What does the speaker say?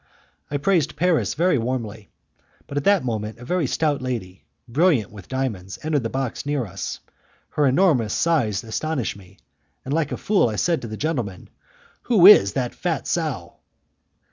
I praised Paris very warmly. But at that moment a very stout lady, brilliant with diamonds, entered the box near us. Her enormous size astonished me, and, like a fool, I said to the gentleman: "Who is that fat sow?"